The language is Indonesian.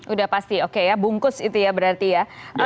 udah pasti oke ya bungkus itu ya berarti ya